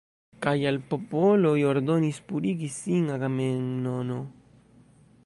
Kaj al popoloj ordonis purigi sin Agamemnono.